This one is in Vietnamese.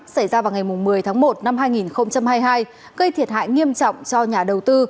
xảy ra vào ngày một mươi tháng một năm hai nghìn hai mươi hai gây thiệt hại nghiêm trọng cho nhà đầu tư